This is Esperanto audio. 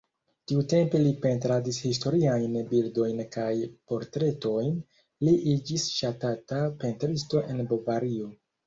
Tiutempe li pentradis historiajn bildojn kaj portretojn, li iĝis ŝatata pentristo en Bavario.